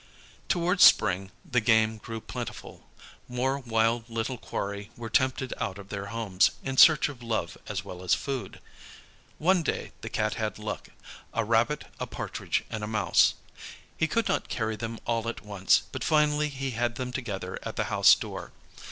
Towards spring the game grew plentiful; more wild little quarry were tempted out of their homes, in search of love as well as food. One day the Cat had luck a rabbit, a partridge, and a mouse. He could not carry them all at once, but finally he had them together at the house door.